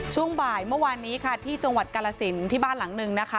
ช่วงบ่ายเมื่อวานนี้ค่ะที่จังหวัดกาลสินที่บ้านหลังนึงนะคะ